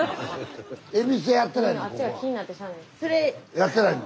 やってないの？